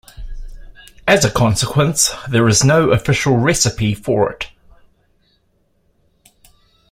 As a consequence, there is no "official" recipe for it.